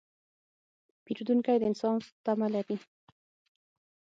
پیرودونکی د انصاف تمه لري.